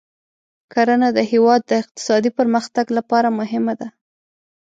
کرنه د هېواد د اقتصادي پرمختګ لپاره مهمه ده.